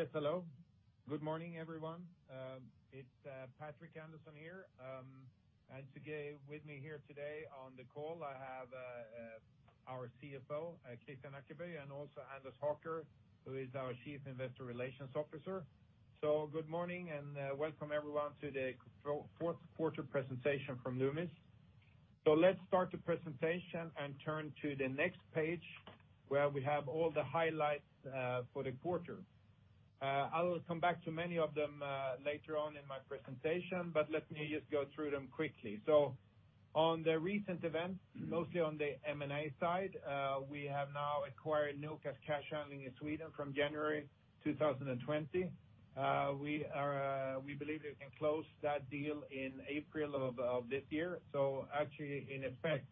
Yes, hello. Good morning, everyone. It's Patrik Andersson here, and today with me here today on the call I have our CFO, Kristian Ackeby, and also Anders Håker, who is our Chief Investor Relations Officer. Good morning, and welcome everyone to the fourth quarter presentation from Loomis. Let's start the presentation and turn to the next page where we have all the highlights for the quarter. I will come back to many of them later on in my presentation, but let me just go through them quickly. On the recent events, mostly on the M&A side we have now acquired Nokas Cash Handling in Sweden from January 2020. We believe we can close that deal in April of this year. Actually, in effect,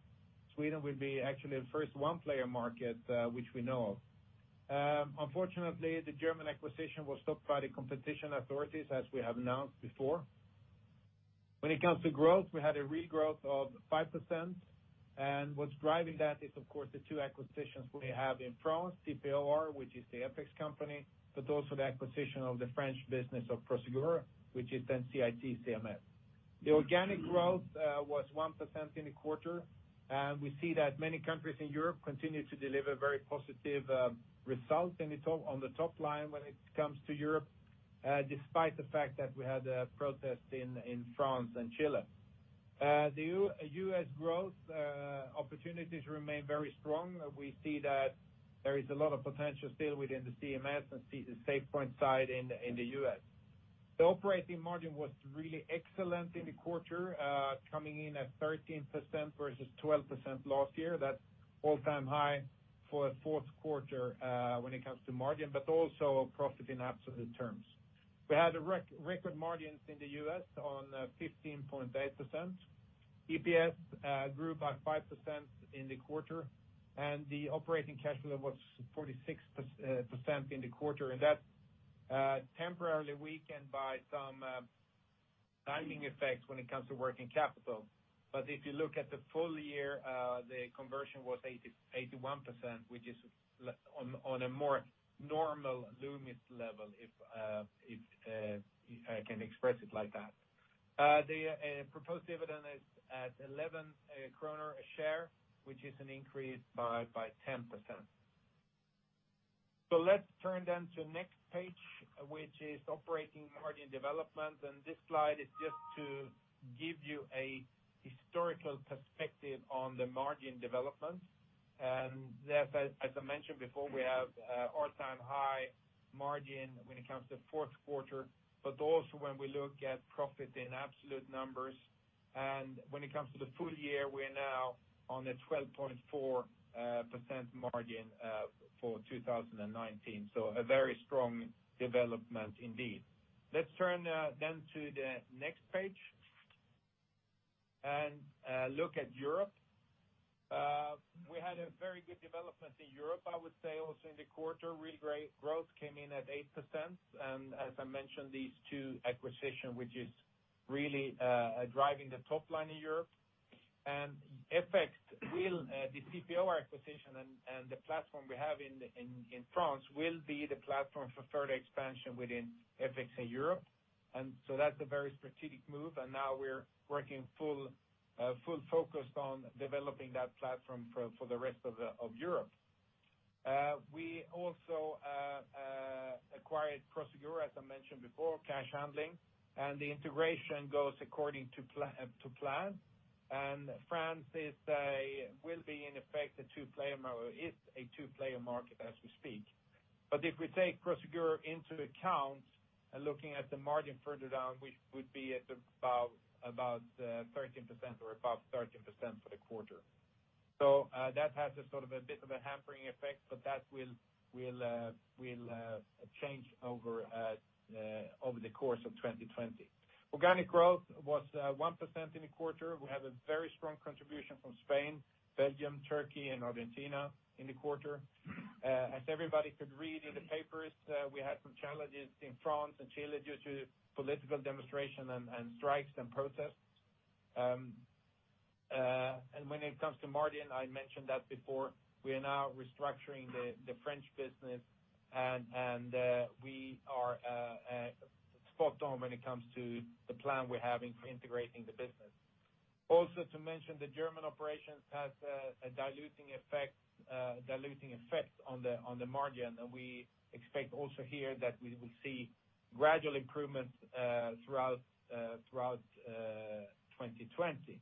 Sweden will be actually the first one-player market, which we know of. Unfortunately, the German acquisition was stopped by the competition authorities, as we have announced before. When it comes to growth, we had a regrowth of 5%, and what's driving that is, of course, the two acquisitions we have in France, CPoR Devises, which is the FX company, but also the acquisition of the French business of Prosegur, which is then CIT/CMS. The organic growth was 1% in the quarter, and we see that many countries in Europe continue to deliver very positive results on the top line when it comes to Europe, despite the fact that we had protests in France and Chile. The U.S. growth opportunities remain very strong. We see that there is a lot of potential still within the CMS and SafePoint side in the U.S. The operating margin was really excellent in the quarter, coming in at 13% versus 12% last year. That's all-time high for a fourth quarter, when it comes to margin, but also profit in absolute terms. We had record margins in the U.S. on 15.8%. EPS grew by 5% in the quarter. The operating cash flow was 46% in the quarter, that temporarily weakened by some timing effects when it comes to working capital. If you look at the full year, the conversion was 81%, which is on a more normal Loomis level if I can express it like that. The proposed dividend is at 11 kronor a share, which is an increase by 10%. Let's turn to next page, which is operating margin development. This slide is just to give you a historical perspective on the margin development. There, as I mentioned before, we have all-time high margin when it comes to fourth quarter, but also when we look at profit in absolute numbers. When it comes to the full year, we're now on a 12.4% margin for 2019. A very strong development indeed. Let's turn then to the next page and look at Europe. We had a very good development in Europe, I would say, also in the quarter. Real growth came in at 8%, and as I mentioned, these two acquisition, which is really driving the top line in Europe. The CPoR acquisition and the platform we have in France will be the platform for further expansion within FX Europe. That's a very strategic move, and now we're working full focused on developing that platform for the rest of Europe. We also acquired Prosegur, as I mentioned before, cash handling, and the integration goes according to plan. France will be in effect a two-player model, it's a two-player market as we speak. If we take Prosegur into account, looking at the margin further down, we would be at about 13% or above 13% for the quarter. That has a sort of a bit of a hampering effect, but that will change over the course of 2020. Organic growth was 1% in the quarter. We have a very strong contribution from Spain, Belgium, Turkey and Argentina in the quarter. As everybody could read in the papers, we had some challenges in France and Chile due to political demonstration and strikes and protests. When it comes to margin, I mentioned that before, we are now restructuring the French business, and we are spot on when it comes to the plan we're having for integrating the business. Also to mention, the German operations has a diluting effect on the margin, and we expect also here that we will see gradual improvements throughout 2020.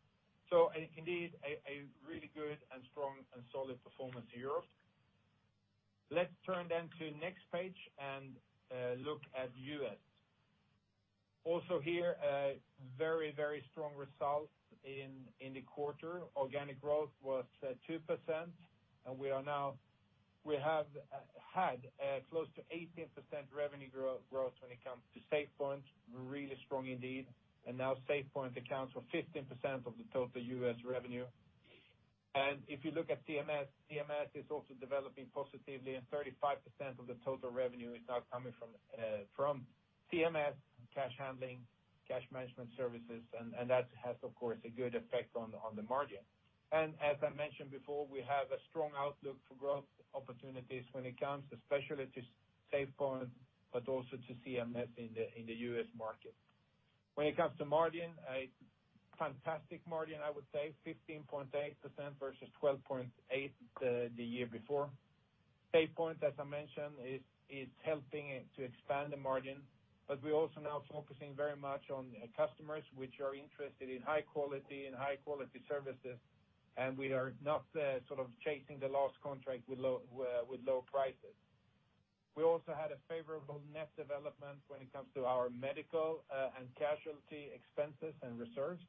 Indeed, a really good and strong and solid performance in Europe. Let's turn then to next page and look at U.S. Also here, very strong results in the quarter. Organic growth was 2%, and we have had close to 18% revenue growth when it comes to SafePoint, really strong indeed. Now SafePoint accounts for 15% of the total U.S. revenue. If you look at CMS is also developing positively, and 35% of the total revenue is now coming from CMS cash handling, cash management services, and that has, of course, a good effect on the margin. As I mentioned before, we have a strong outlook for growth opportunities when it comes especially to SafePoint, but also to CMS in the U.S. market. When it comes to margin, a fantastic margin, I would say 15.8% versus 12.8% the year before. SafePoint, as I mentioned, is helping to expand the margin, but we're also now focusing very much on customers which are interested in high quality and high quality services, and we are not sort of chasing the last contract with low prices. We also had a favorable net development when it comes to our medical and casualty expenses and reserves,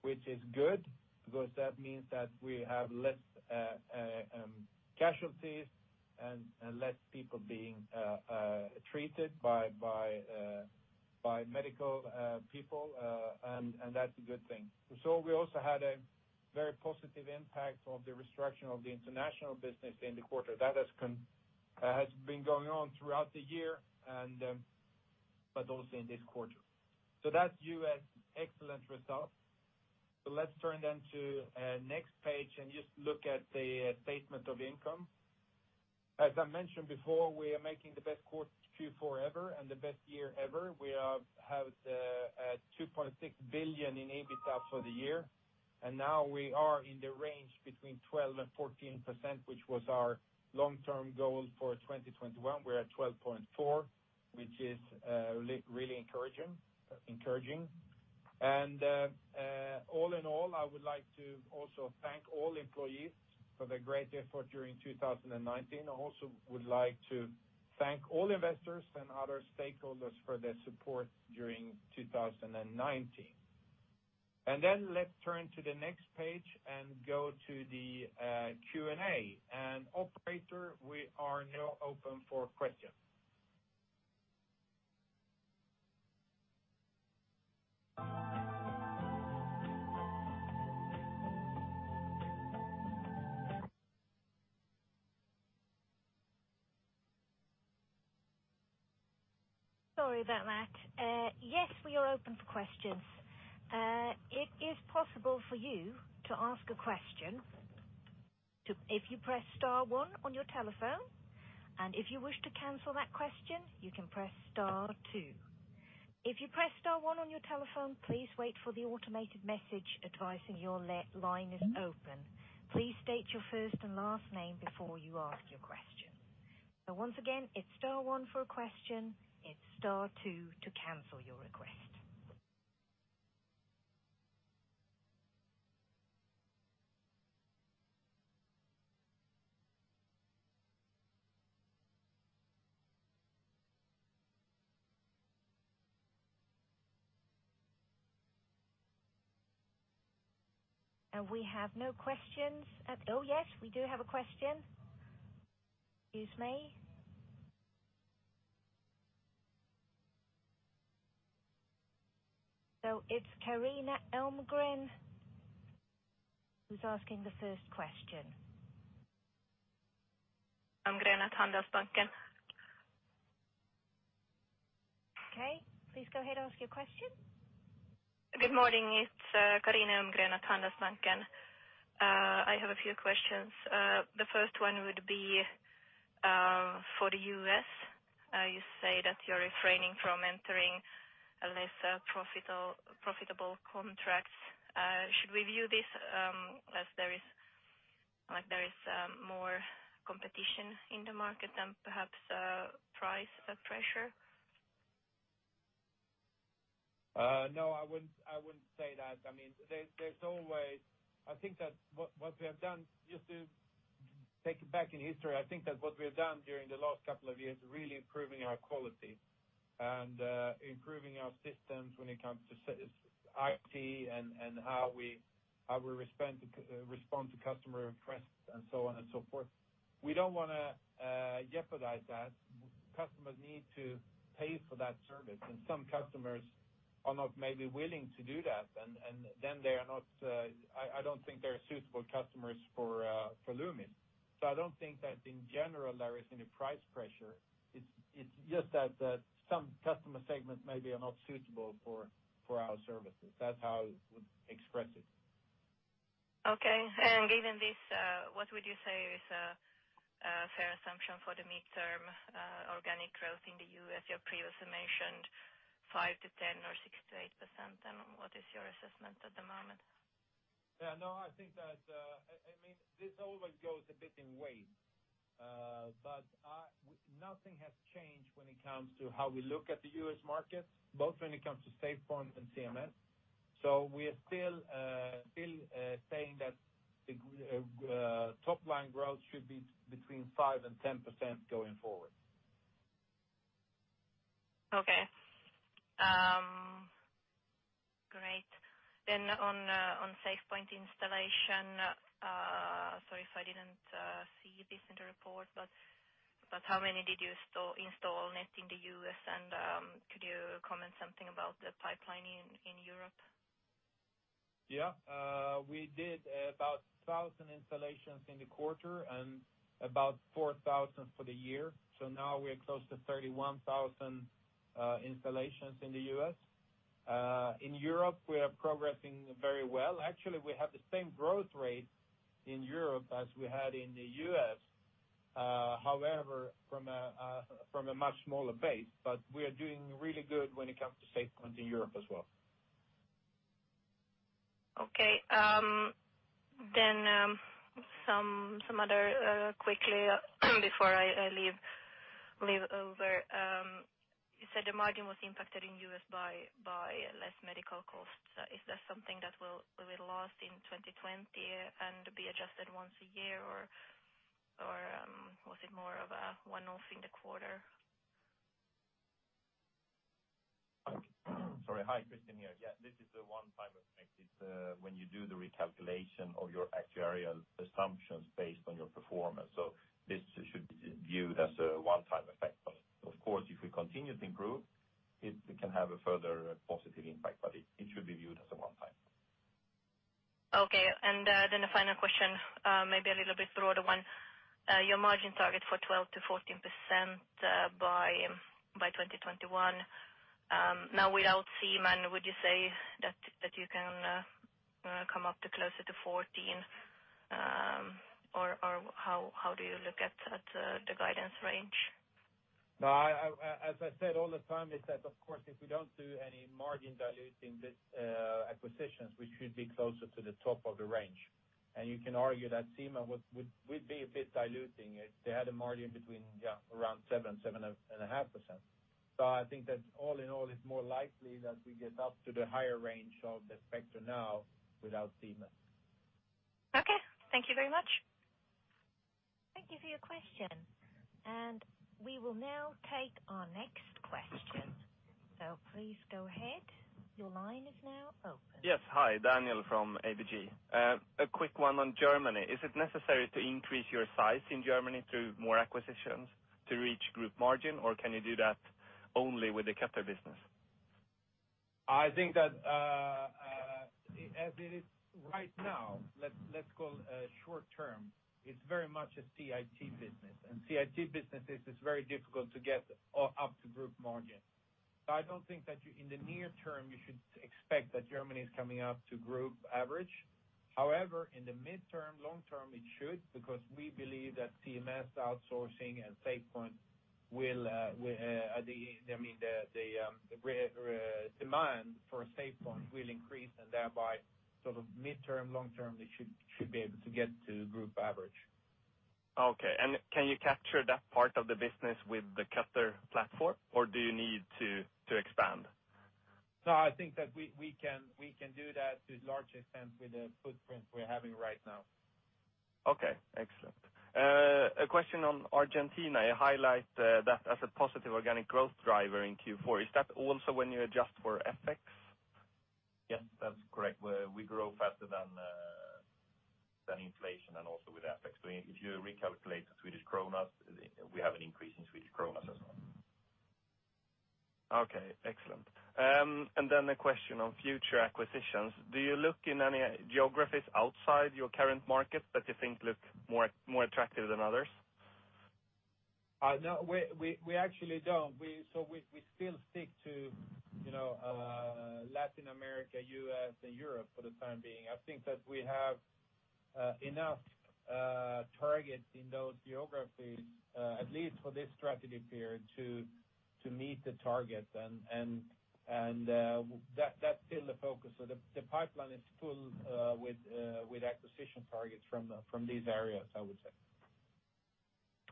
which is good, because that means that we have less casualties and less people being treated by medical people, and that's a good thing. We also had a very positive impact of the restructuring of the international business in the quarter. That has been going on throughout the year also in this quarter. That's U.S., excellent results. Let's turn to next page and just look at the statement of income. As I mentioned before, we are making the best quarter two forever and the best year ever. We have had 2.6 billion in EBITDA for the year, and now we are in the range between 12% and 14%, which was our long-term goal for 2021. We're at 12.4%, which is really encouraging. All in all, I would like to also thank all employees for their great effort during 2019. I also would like to thank all investors and other stakeholders for their support during 2019. Then let's turn to the next page and go to the Q&A. Operator, we are now open for questions. Sorry about that. Yes, we are open for questions. It is possible for you to ask a question if you press star one on your telephone, and if you wish to cancel that question, you can press star two. If you press star one on your telephone, please wait for the automated message advising your line is open. Please state your first and last name before you ask your question. Once again, it's star one for a question, it's star two to cancel your request. We have no questions. Oh yes, we do have a question. Excuse me. It's Carina Elmgren who's asking the first question. Elmgren at Handelsbanken. Okay. Please go ahead, ask your question. Good morning. It's Carina Elmgren at Handelsbanken. I have a few questions. The first one would be for the U.S. You say that you're refraining from entering a less profitable contracts. Should we view this as there is more competition in the market than perhaps price pressure? No, I wouldn't say that. I think that what we have done, just to take it back in history, I think that what we've done during the last couple of years is really improving our quality and improving our systems when it comes to IT and how we respond to customer requests and so on and so forth. We don't want to jeopardize that. Customers need to pay for that service, and some customers are not maybe willing to do that, and then I don't think they're suitable customers for Loomis. I don't think that in general there is any price pressure. It's just that some customer segments maybe are not suitable for our services. That's how I would express it. Okay. Given this, what would you say is a fair assumption for the midterm organic growth in the U.S.? You previously mentioned 5%-10% or 6%-8%. What is your assessment at the moment? I think that this always goes a bit in waves. Nothing has changed when it comes to how we look at the U.S. market, both when it comes to SafePoint and CMS. We are still saying that top line growth should be between 5% and 10% going forward. Okay. Great. On SafePoint installation, sorry if I didn't see this in the report, but how many did you install net in the U.S., and could you comment something about the pipeline in Europe? Yeah. We did about 1,000 installations in the quarter and about 4,000 for the year. Now we are close to 31,000 installations in the U.S. In Europe, we are progressing very well. Actually, we have the same growth rate in Europe as we had in the U.S. However, from a much smaller base. We are doing really good when it comes to SafePoint in Europe as well. Okay. Some other quickly before I leave over. You said the margin was impacted in the U.S. by less medical costs. Is that something that will last in 2020 and be adjusted once a year? Was it more of a one-off in the quarter? Sorry. Hi, Kristian here. Yeah, this is a one-time effect. It's when you do the recalculation of your actuarial assumptions based on your performance. This should be viewed as a one-time effect. Of course, if we continue to improve, it can have a further positive impact. It should be viewed as a one-time. Okay. The final question, maybe a little bit broader one. Your margin target for 12%-14% by 2021. Now without Ziemann, would you say that you can come up to closer to 14%? How do you look at the guidance range? No, as I said all the time, it's that of course, if we don't do any margin diluting acquisitions, we should be closer to the top of the range. You can argue that Ziemann would be a bit diluting it. They had a margin between around 7%-7.5%. I think that all in all, it's more likely that we get up to the higher range of the spectrum now without Ziemann. Okay. Thank you very much. Thank you for your question. We will now take our next question. Please go ahead. Your line is now open. Yes. Hi, Daniel from ABG. A quick one on Germany. Is it necessary to increase your size in Germany through more acquisitions to reach group margin? Can you do that only with the current business? I think that as it is right now, let's call a short term. It's very much a CIT business, and CIT businesses is very difficult to get up to group margin. I don't think that in the near term, you should expect that Germany is coming up to group average. However, in the midterm, long-term, it should, because we believe that CMS outsourcing and SafePoint, the demand for SafePoint will increase and thereby sort of midterm, long-term, they should be able to get to group average. Okay. Can you capture that part of the business with the SafePoint platform, or do you need to expand? No, I think that we can do that to a large extent with the footprint we're having right now. Okay, excellent. A question on Argentina. You highlight that as a positive organic growth driver in Q4. Is that also when you adjust for FX? Yes, that's correct. We grow faster than inflation and also with FX. If you recalculate the SEK, we have an increase in SEK as well. Okay, excellent. Then a question on future acquisitions. Do you look in any geographies outside your current markets that you think look more attractive than others? No, we actually don't. We still stick to Latin America, U.S., and Europe for the time being. I think that we have enough targets in those geographies, at least for this strategy period, to meet the targets, and that's still the focus. The pipeline is full with acquisition targets from these areas, I would say.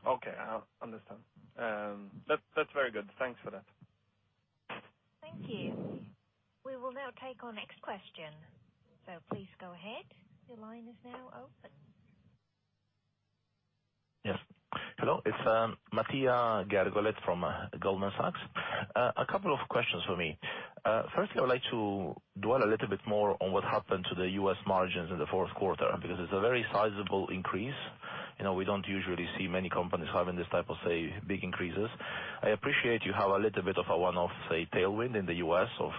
Okay, I understand. That's very good. Thanks for that. Thank you. We will now take our next question. Please go ahead. Your line is now open. Yes. Hello, it's Mattias Gargiulo from Goldman Sachs. A couple of questions for me. I would like to dwell a little bit more on what happened to the U.S. margins in the fourth quarter, because it's a very sizable increase. We don't usually see many companies having this type of big increases. I appreciate you have a little bit of a one-off tailwind in the U.S. of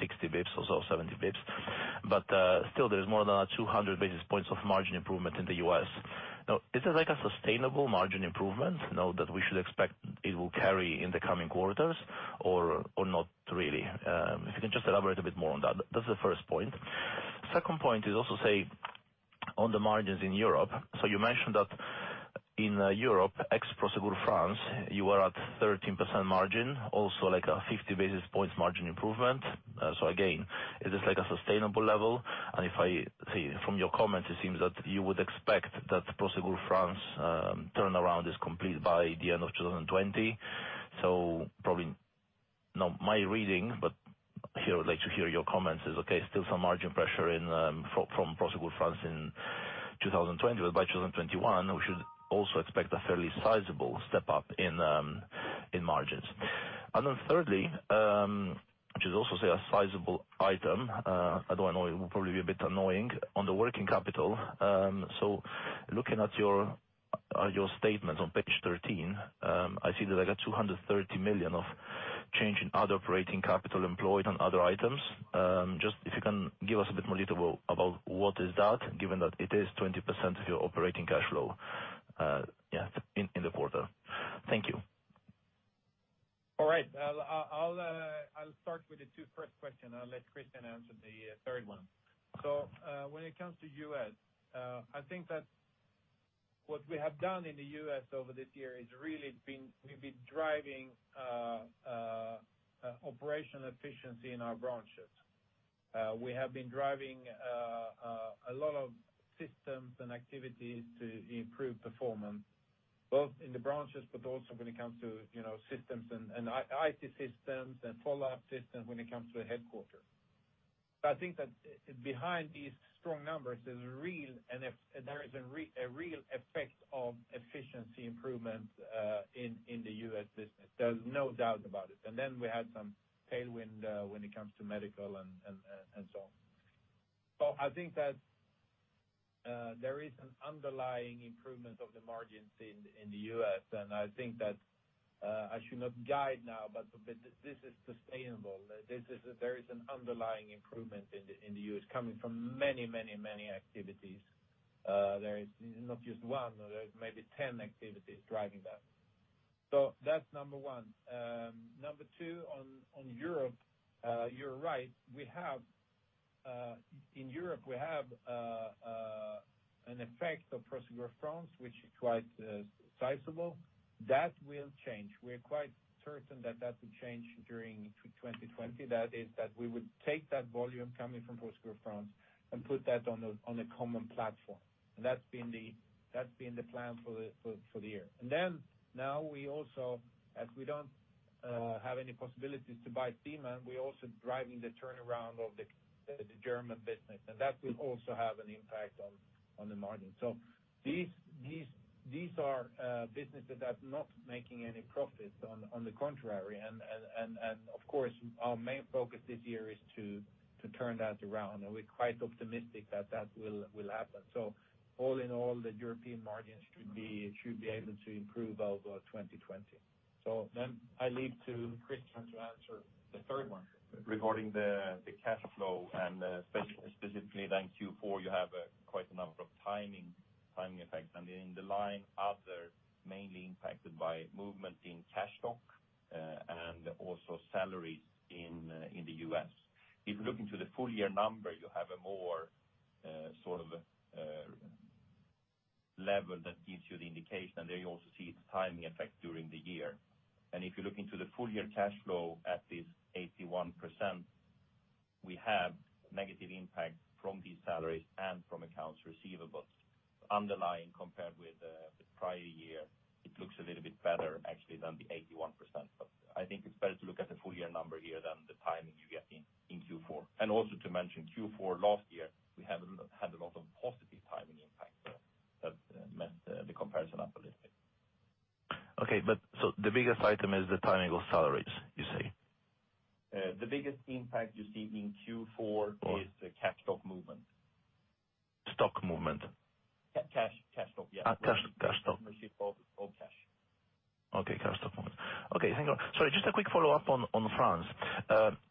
60 basis points or so, 70 basis points. Still, there's more than a 200 basis points of margin improvement in the U.S. Is it like a sustainable margin improvement now that we should expect it will carry in the coming quarters or not really? If you can just elaborate a bit more on that. That's the first point. Second point is also on the margins in Europe. You mentioned that in Europe, ex-Prosegur France, you are at 13% margin, also like a 50 basis points margin improvement. Again, is this like a sustainable level? If I see from your comments, it seems that you would expect that Prosegur France turnaround is complete by the end of 2020. Probably not my reading, but here I would like to hear your comments. Is okay still some margin pressure from Prosegur France in 2020, but by 2021, we should also expect a fairly sizable step-up in margins. Thirdly, which is also, say, a sizable item, although I know it will probably be a bit annoying, on the working capital. Looking at your statements on page 13, I see that I got 230 million of change in other operating capital employed on other items. Just if you can give us a bit more detail about what is that, given that it is 20% of your operating cash flow in the quarter. Thank you. All right. I'll start with the two first question, I'll let Kristian answer the third one. When it comes to U.S., I think that what we have done in the U.S. over this year is really we've been driving operational efficiency in our branches. We have been driving a lot of systems and activities to improve performance, both in the branches, but also when it comes to systems and IT systems and follow-up systems when it comes to the headquarter. I think that behind these strong numbers, there is a real effect of efficiency improvement in the U.S. business. There's no doubt about it. We had some tailwind when it comes to medical and so on. I think that there is an underlying improvement of the margins in the U.S., and I think that I should not guide now, but this is sustainable. There is an underlying improvement in the U.S. coming from many activities. There is not just one, there's maybe 10 activities driving that. That's number one. Number two, on Europe, you're right. In Europe, we have an effect of Prosegur France, which is quite sizable. That will change. We're quite certain that that will change during 2020. That is that we would take that volume coming from Prosegur France, and put that on a common platform. That's been the plan for the year. Now we also, as we don't have any possibilities to buy Ziemann, we're also driving the turnaround of the German business, and that will also have an impact on the margin. These are businesses that are not making any profits, on the contrary, and of course, our main focus this year is to turn that around, and we're quite optimistic that that will happen. All in all, the European margins should be able to improve over 2020. I leave to Kristian to answer the third one. Regarding the cash flow and specifically then Q4, you have quite a number of timing effects and in the line other mainly impacted by movement in cash stock, and also salaries in the U.S. If you look into the full year number, you have a more level that gives you the indication, and there you also see the timing effect during the year. If you look into the full year cash flow at this 81%, we have negative impact from these salaries and from accounts receivables. Underlying compared with the prior year, it looks a little bit better actually than the 81%, but I think it's better to look at the full year number here than the timing you get in Q4. Also to mention Q4 last year, we had a lot of positive timing impacts that messed the comparison up a little bit. Okay. The biggest item is the timing of salaries, you say? The biggest impact you see in Q4 is the cash stock movement. Stock movement? Cash stock, yeah. Cash stock. Cash. Okay, cash stock movement. Okay, hang on. Sorry, just a quick follow-up on France.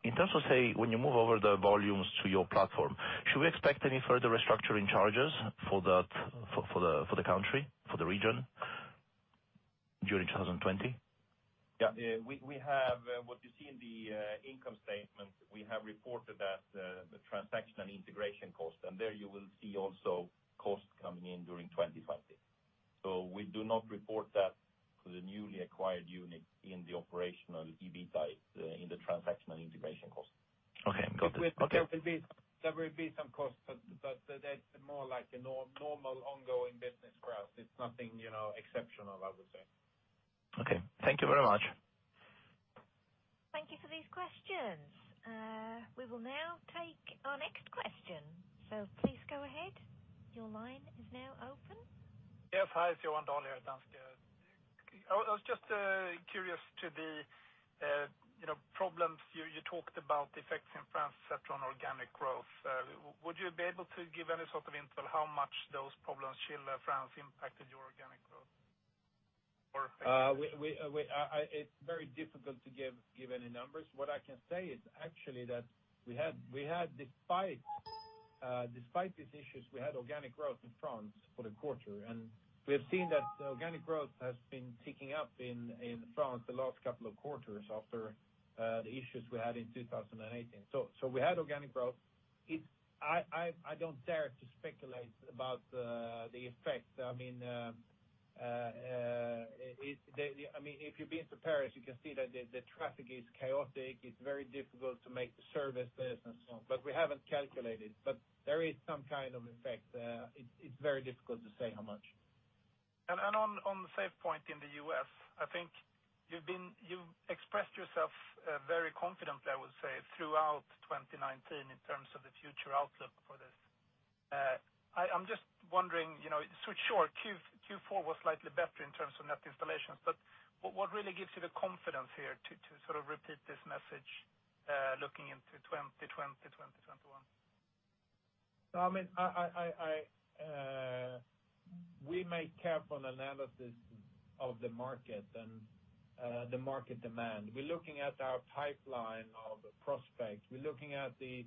In terms of, say, when you move over the volumes to your platform, should we expect any further restructuring charges for the country, for the region during 2020? Yeah. What you see in the income statement, we have reported that the transaction and integration cost, and there you will see also costs coming in during 2020. We do not report that to the newly acquired unit in the operational EBITA, in the transaction and integration cost. Okay, got it. Okay. There will be some costs, but that's more like a normal ongoing business for us. It's nothing exceptional, I would say. Okay. Thank you very much. Thank you for these questions. We will now take our next question. Please go ahead. Your line is now open. Yeah. Hi, it is Johan Dahl at Danske. I was just curious to the problems you talked about FX in France except on organic growth. Would you be able to give any sort of intel how much those problems in France impacted your organic growth or affected? It's very difficult to give any numbers. What I can say is actually that despite these issues, we had organic growth in France for the quarter, and we have seen that organic growth has been ticking up in France the last couple of quarters after the issues we had in 2018. We had organic growth. I don't dare to speculate about the effect. If you've been to Paris, you can see that the traffic is chaotic. It's very difficult to make the services and so on, but we haven't calculated. There is some kind of effect there. It's very difficult to say how much. On the same point in the U.S., I think you've expressed yourself very confidently, I would say, throughout 2019 in terms of the future outlook for this. I'm just wondering, so sure, Q4 was slightly better in terms of net installations, but what really gives you the confidence here to sort of repeat this message, looking into 2020? I mean, we make careful analysis of the market and the market demand. We're looking at our pipeline of prospects. We're looking at the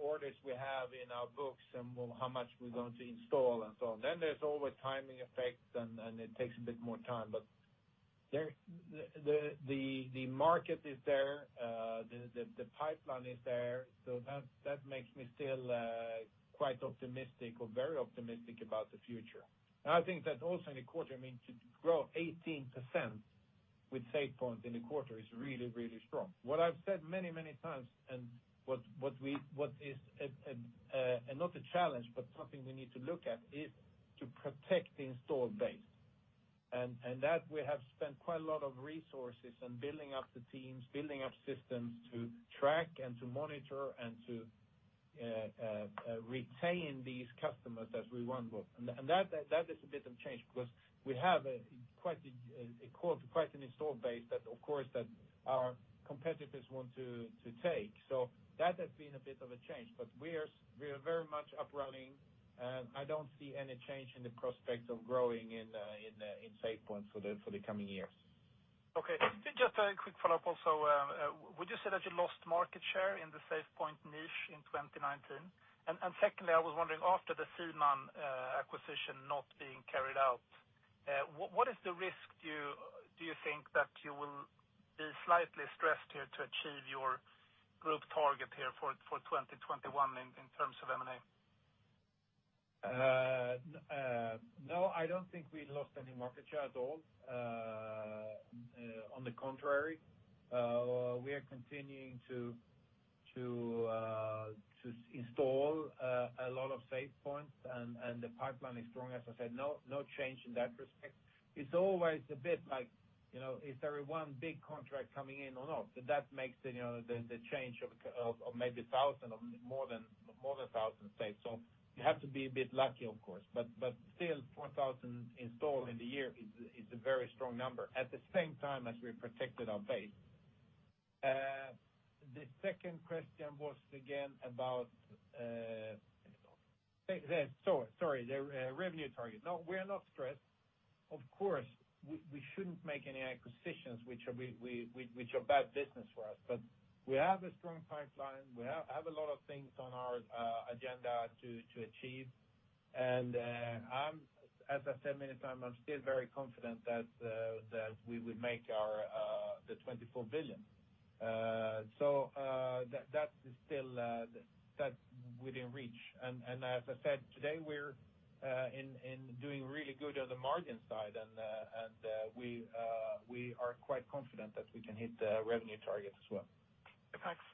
orders we have in our books, and how much we're going to install, and so on. There's always timing effects, and it takes a bit more time, but the market is there, the pipeline is there. That makes me still quite optimistic or very optimistic about the future. I think that also in the quarter, I mean, to grow 18% with SafePoint in the quarter is really strong. What I've said many times and what is, and not a challenge, but something we need to look at, is to protect the installed base. That we have spent quite a lot of resources on building up the teams, building up systems to track and to monitor and to retain these customers as we run book. That is a bit of change because we have quite an installed base that of course our competitors want to take. That has been a bit of a change, but we are very much up running, and I don't see any change in the prospects of growing in SafePoint for the coming years. Okay. Just a quick follow-up also. Would you say that you lost market share in the SafePoint niche in 2019? Secondly, I was wondering after the Ziemann acquisition not being carried out, what is the risk, do you think that you will be slightly stressed here to achieve your group target here for 2021 in terms of M&A? No, I don't think we lost any market share at all. On the contrary, we are continuing to install a lot of SafePoint, and the pipeline is strong. As I said, no change in that respect. It's always a bit like, is there one big contract coming in or not? That makes the change of maybe 1,000 or more than 1,000 SafePoint. You have to be a bit lucky of course, but still 4,000 installed in the year is a very strong number. At the same time as we protected our base. The second question was again about Sorry, the revenue target. No, we are not stressed. Of course, we shouldn't make any acquisitions which are bad business for us. We have a strong pipeline, we have a lot of things on our agenda to achieve. As I said many times, I'm still very confident that we will make the 24 billion. That is still within reach, and as I said, today, we're doing really good on the margin side, and we are quite confident that we can hit the revenue target as well. Thanks.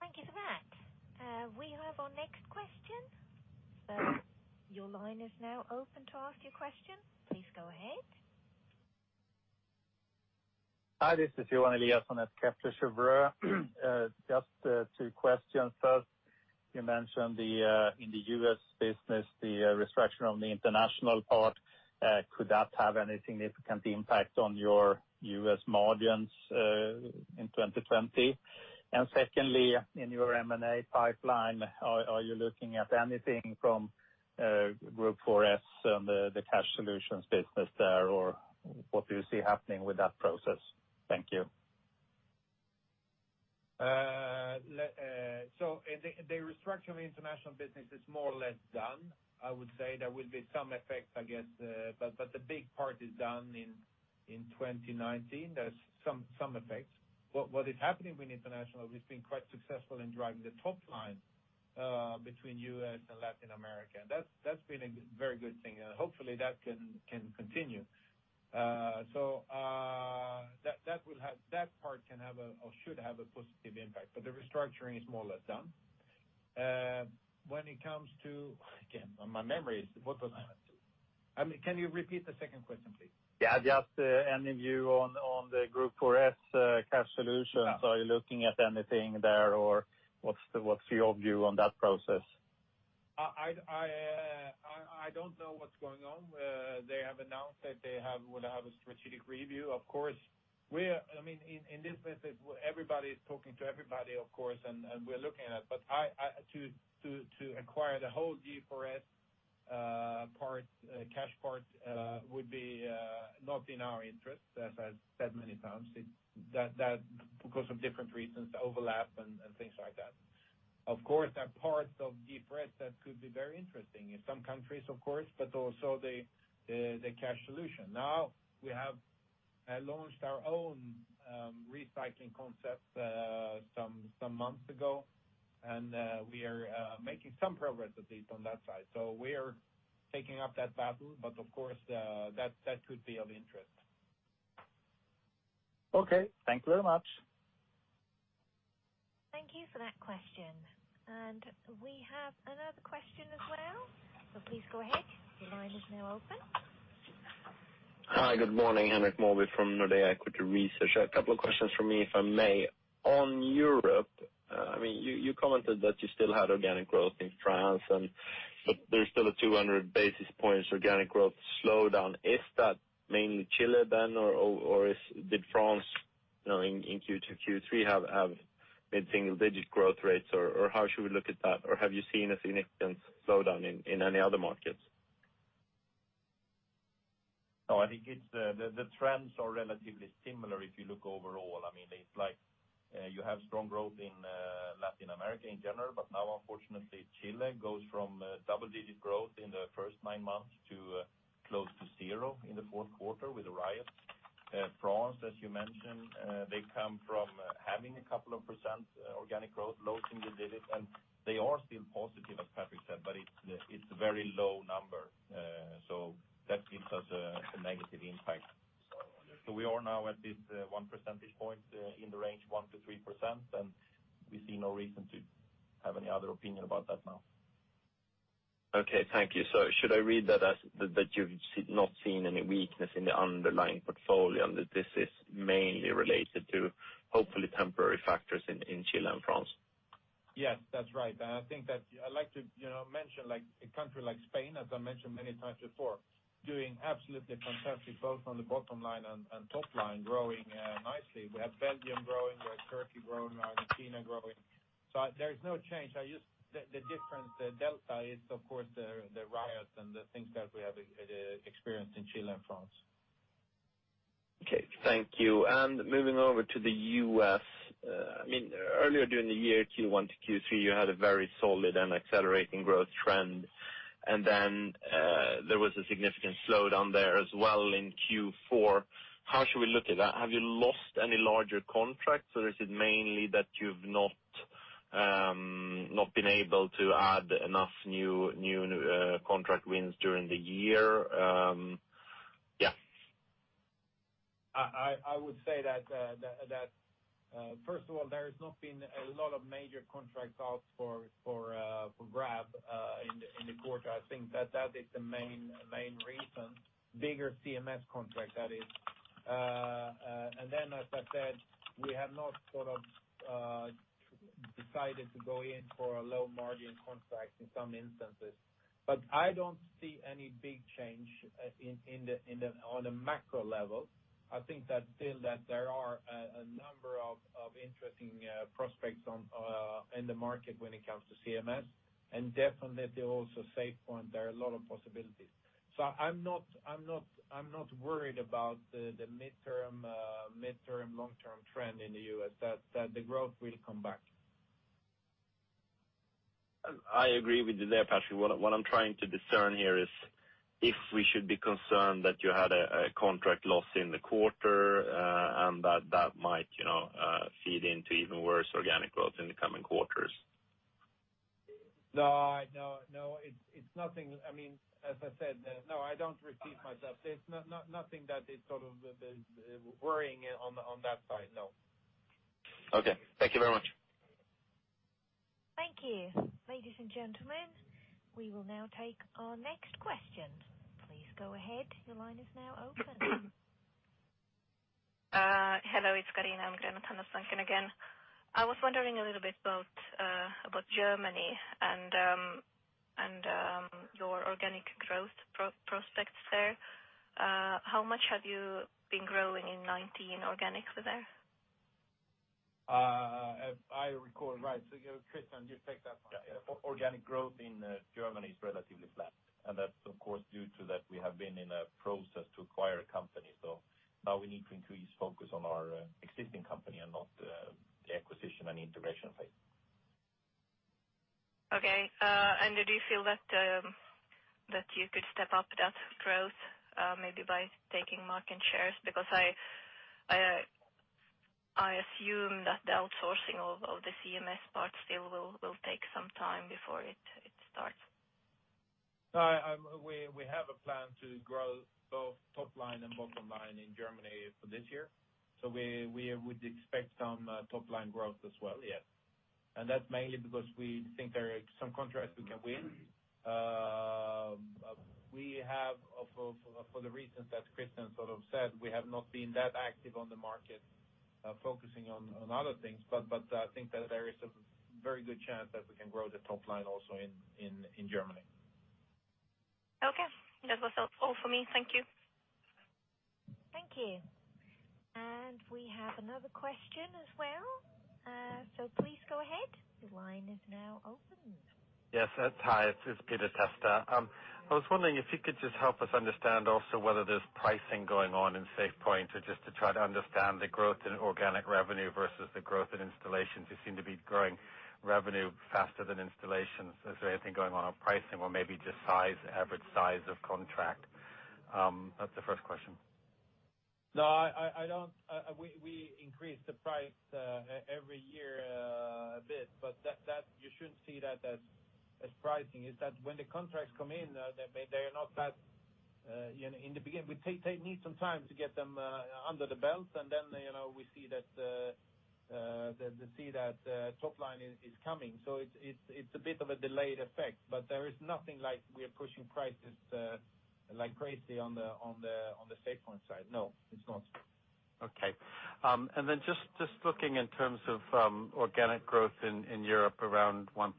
Thank you for that. We have our next question. Your line is now open to ask your question. Please go ahead. Hi, this is Johan Eliason at Kepler Cheuvreux. Just two questions. First, you mentioned in the U.S. business, the restructuring of the international part, could that have any significant impact on your U.S. margins in 2020? Secondly, in your M&A pipeline, are you looking at anything from G4S and the Cash Solutions business there, or what do you see happening with that process? Thank you. The restructuring of international business is more or less done. I would say there will be some effects, I guess, but the big part is done in 2019. There is some effects. What is happening with international, we have been quite successful in driving the top line between U.S. and Latin America. That has been a very good thing, and hopefully, that can continue. So that part can have or should have a positive impact, but the restructuring is more or less done. When it comes to. Again, my memory is, what was number two? I mean, can you repeat the second question, please? Yeah. Just any view on the G4S Cash Solutions? Are you looking at anything there or what's your view on that process? I don't know what's going on. They have announced that they will have a strategic review. Of course, I mean, in this business, everybody is talking to everybody, of course, and we're looking at it. To acquire the whole G4S Cash Solutions would be not in our interest, as I said many times. Because of different reasons, overlap and things like that. Of course, there are parts of G4S that could be very interesting in some countries, of course, but also the Cash Solutions. Now, we have launched our own recycling concept some months ago, and we are making some progress at least on that side. We are taking up that battle, but of course, that could be of interest. Okay. Thank you very much. Thank you for that question. We have another question as well. Please go ahead. Your line is now open. Hi. Good morning. Henrik Mawby from Nordea Equity Research. A couple of questions from me, if I may. On Europe. You commented that you still had organic growth in France, but there's still a 200 basis points organic growth slowdown. Is that mainly Chile then? Did France in Q2, Q3 have mid-single digit growth rates? How should we look at that? Have you seen a significant slowdown in any other markets? I think the trends are relatively similar if you look overall. You have strong growth in Latin America in general, but now unfortunately Chile goes from double-digit growth in the first nine months to close to zero in the fourth quarter with the riots. France, as you mentioned, they come from having a couple of % organic growth, low single digits, and they are still positive, as Patrik said, but it's a very low number. That gives us a negative impact. Understood. We are now at this one percentage point, in the range 1%-3%, and we see no reason to have any other opinion about that now. Okay, thank you. Should I read that as that you've not seen any weakness in the underlying portfolio, and that this is mainly related to hopefully temporary factors in Chile and France? Yes, that's right. I think that I like to mention a country like Spain, as I mentioned many times before, doing absolutely fantastic, both on the bottom line and top line, growing nicely. We have Belgium growing, we have Turkey growing, Argentina growing. There's no change. The difference, the delta is of course, the riots and the things that we have experienced in Chile and France. Okay, thank you. Moving over to the U.S., earlier during the year, Q1 to Q3, you had a very solid and accelerating growth trend, and then there was a significant slowdown there as well in Q4. How should we look at that? Have you lost any larger contracts, or is it mainly that you've not been able to add enough new contract wins during the year? Yeah. I would say that, first of all, there has not been a lot of major contracts out for grab in the quarter. I think that is the main reason. Bigger CMS contract, that is. Then, as I said, we have not decided to go in for a low-margin contract in some instances. I don't see any big change on a macro level. I think that still there are a number of interesting prospects in the market when it comes to CMS, and definitely also SafePoint, there are a lot of possibilities. I'm not worried about the midterm, long-term trend in the U.S., that the growth will come back. I agree with you there, Patrik. What I'm trying to discern here is if we should be concerned that you had a contract loss in the quarter, and that that might feed into even worse organic growth in the coming quarters. No. As I said, no, I don't repeat myself. There's nothing that is worrying on that side, no. Okay. Thank you very much. Thank you. Ladies and gentlemen, we will now take our next question. Please go ahead. Your line is now open. Hello, it's Karin from DNB. Thank you again. I was wondering a little bit about Germany and your organic growth prospects there. How much have you been growing in 2019 organic there? I recall. Right. Kristian, you take that one. Organic growth in Germany is relatively flat. That's of course due to that we have been in a process to acquire a company, now we need to increase focus on our existing company and not the acquisition and integration phase. Okay. Do you feel that you could step up that growth, maybe by taking market shares? I assume that the outsourcing of the CMS part still will take some time before it starts. We have a plan to grow both top line and bottom line in Germany for this year. We would expect some top-line growth as well, yes. That's mainly because we think there are some contracts we can win. For the reasons that Kristian said, we have not been that active on the market, focusing on other things, but I think that there is a very good chance that we can grow the top line also in Germany. Okay. That was all for me. Thank you. Thank you. We have another question as well. Please go ahead. The line is now open. Yes. Hi, it's Peter Testa. I was wondering if you could just help us understand also whether there's pricing going on in SafePoint or just to try to understand the growth in organic revenue versus the growth in installations? You seem to be growing revenue faster than installations. Is there anything going on with pricing or maybe just average size of contract? That's the first question. No. We increase the price every year a bit, but you shouldn't see that as pricing. It's that when the contracts come in the beginning, we need some time to get them under the belt, and then we see that top line is coming. It's a bit of a delayed effect. There is nothing like we are pushing prices like crazy on the SafePoint side. No, it's not. Okay. Just looking in terms of organic growth in Europe around 1%.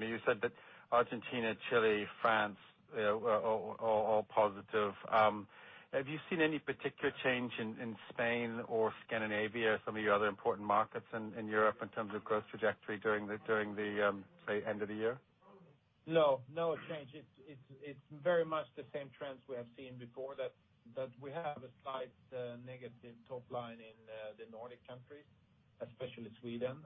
You said that Argentina, Chile, France are all positive. Have you seen any particular change in Spain or Scandinavia, some of your other important markets in Europe in terms of growth trajectory during the, say, end of the year? No change. It's very much the same trends we have seen before, that we have a slight negative top line in the Nordic countries, especially Sweden.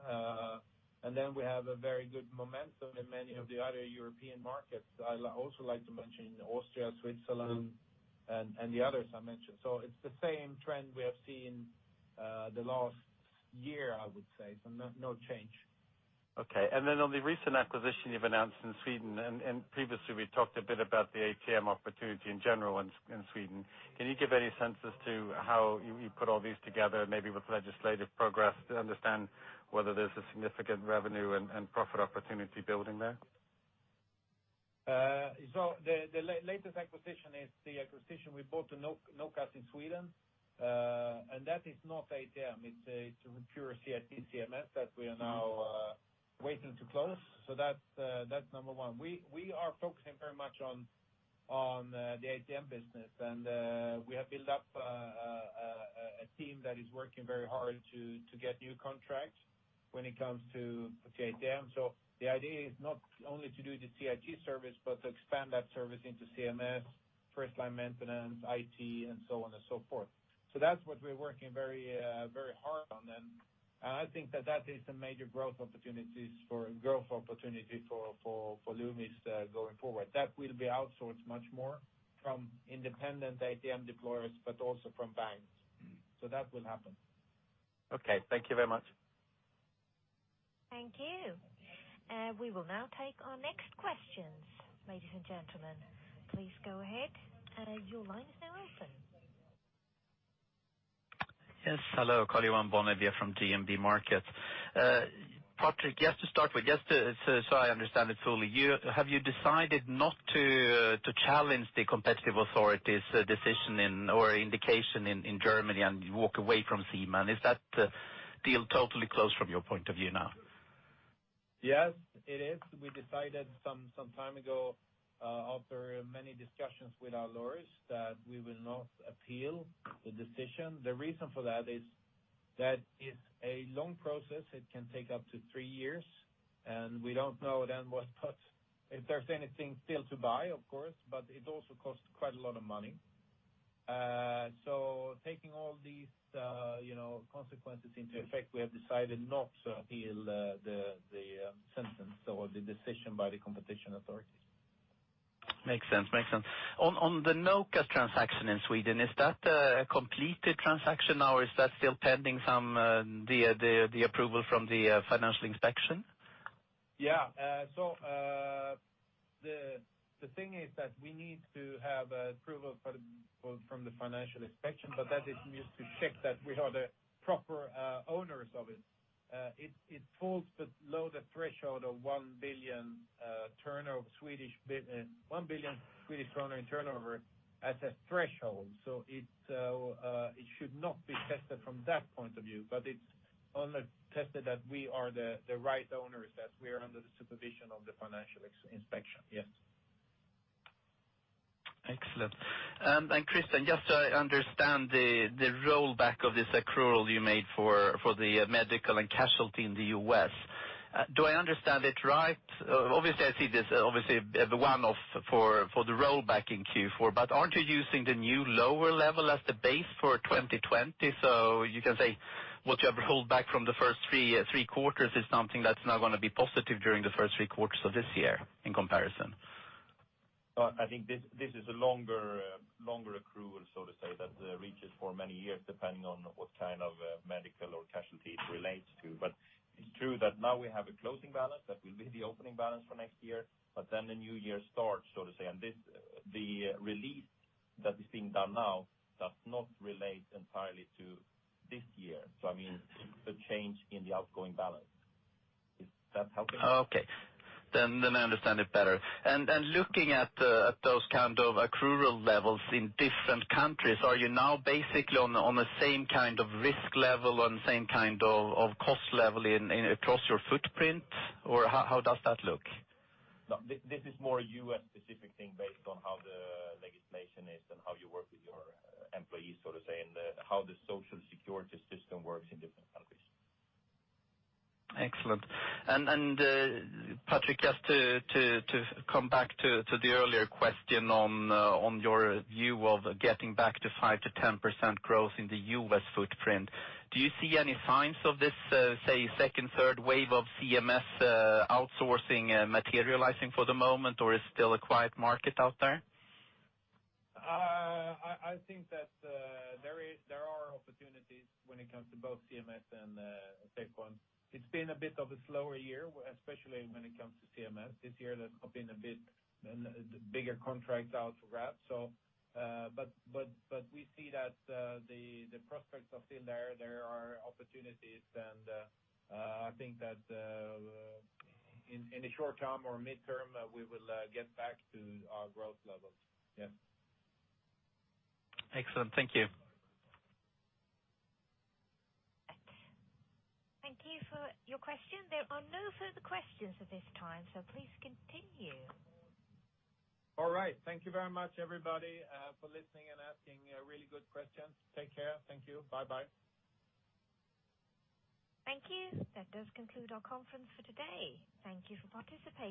We have a very good momentum in many of the other European markets. I also like to mention Austria, Switzerland, and the others I mentioned. It's the same trend we have seen the last year, I would say. No change. Okay. On the recent acquisition you've announced in Sweden, and previously we talked a bit about the ATM opportunity in general in Sweden, can you give any sense as to how you put all these together, maybe with legislative progress, to understand whether there's a significant revenue and profit opportunity building there? The latest acquisition is the acquisition we bought to Nokas in Sweden. That is not ATM, it's a pure CIT CMS that we are now waiting to close. That's number one. We are focusing very much on the ATM business. We have built up a team that is working very hard to get new contracts when it comes to ATM. The idea is not only to do the CIT service, but to expand that service into CMS, first-line maintenance, IT, and so on and so forth. That's what we're working very hard on. I think that that is a major growth opportunity for Loomis going forward. That will be outsourced much more from independent ATM deployers, but also from banks. That will happen. Okay. Thank you very much. Thank you. We will now take our next questions, ladies and gentlemen. Please go ahead. Your line is now open. Yes. Hello, Karl-Johan Bonnevier from DNB Markets. Patrik, just to start with, just so I understand it fully, have you decided not to challenge the competitive authorities' decision or indication in Germany and walk away from Ziemann? Is that deal totally closed from your point of view now? Yes, it is. We decided some time ago, after many discussions with our lawyers, that we will not appeal the decision. The reason for that is that it's a long process, it can take up to three years, and we don't know then if there's anything still to buy, of course, but it also cost quite a lot of money. Taking all these consequences into effect, we have decided not to appeal the sentence or the decision by the competition authorities. Makes sense. On the Nokas transaction in Sweden, is that a completed transaction now or is that still pending the approval from the Finansinspektionen? The thing is that we need to have approval from the Financial Inspection, that is used to check that we are the proper owners of it. It falls below the threshold of 1 billion Swedish kronor in turnover as a threshold, it should not be tested from that point of view. It's only tested that we are the right owners, that we are under the supervision of the Financial Inspection, yes. Excellent. Kristian, just so I understand the rollback of this accrual you made for the medical and casualty in the U.S., do I understand it right? Obviously, I see this, obviously, the one-off for the rollback in Q4. Aren't you using the new lower level as the base for 2020? You can say what you have rolled back from the first three quarters is something that's now going to be positive during the first three quarters of this year in comparison. I think this is a longer accrual, so to say, that reaches for many years, depending on what kind of medical or casualty it relates to. It's true that now we have a closing balance that will be the opening balance for next year, but then the new year starts, so to say, and the release that is being done now does not relate entirely to this year. I mean, the change in the outgoing balance. Does that help you? Okay. I understand it better. Looking at those kind of accrual levels in different countries, are you now basically on the same kind of risk level and same kind of cost level across your footprint? Or how does that look? No, this is more a U.S.-specific thing based on how the legislation is and how you work with your employees, so to say, and how the social security system works in different countries. Excellent. Patrik, just to come back to the earlier question on your view of getting back to 5%-10% growth in the U.S. footprint, do you see any signs of this, say, second, third wave of CMS outsourcing materializing for the moment, or it's still a quiet market out there? I think that there are opportunities when it comes to both CMS and SafePoint. It's been a bit of a slower year, especially when it comes to CMS. This year there's been a bit bigger contracts out wrapped. We see that the prospects are still there. There are opportunities, and I think that in the short term or midterm, we will get back to our growth levels. Yes. Excellent. Thank you. Thank you for your question. There are no further questions at this time. Please continue. All right. Thank you very much, everybody, for listening and asking really good questions. Take care. Thank you. Bye-bye. Thank you. That does conclude our conference for today. Thank you for participating.